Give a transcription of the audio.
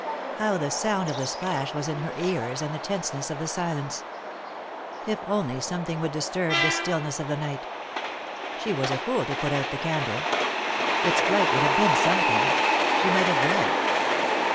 How the sound of the splash was in her ears, and the tenseness of the silence 1 If only something would disturb the stillness of the night 1 She was a fool to put out the candle. Its light would have been something. She might have read.